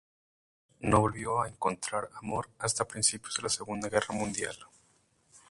No volvió a encontrar amor hasta principios de la Segunda Guerra Mundial.